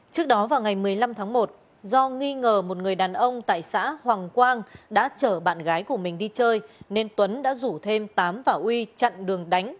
trước đó vào ngày một mươi năm tháng một do nghi ngờ một người đàn ông tại xã hoàng quang đã chở bạn gái của mình đi chơi nên tuấn đã rủ thêm tám và uy chặn đường đánh